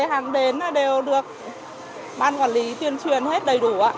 hàng đến đều được ban quản lý tuyên truyền hết đầy đủ